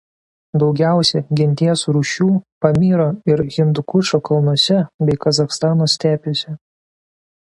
Daugiausia genties rūšių Pamyro ir Hindukušo kalnuose bei Kazachstano stepėse.